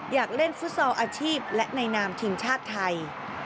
อยากเล่นฟุตซอลอาชีพและในนามทีมชาติไทย